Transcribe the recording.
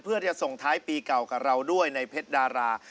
เพื่อจะส่งท้ายปีเก่ากับเราด้วยในเพชรดารา